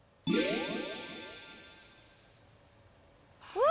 うわ！